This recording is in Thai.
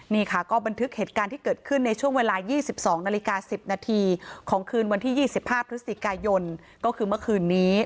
นี่ค่ะก็บันทึกเหตุการณ์ที่เกิดขึ้นในช่วงเวลา๒๒นาฬิกา๑๐นาทีของคืนวันที่๒๕พฤศจิกายนก็คือเมื่อคืนนี้